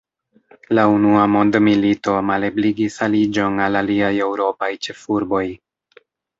La unua mondmilito malebligis aliĝon al aliaj eŭropaj ĉefurboj.